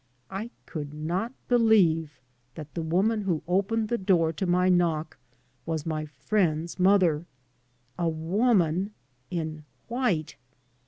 I could not believe that the woman who opened the door to my knock was my friend's mother. A woman in white!